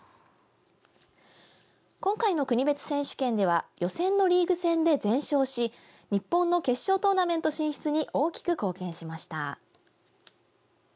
今回の国別選手権では予選のリーグ戦で全勝し日本の決勝トーナメント進出に大きく貢献しました。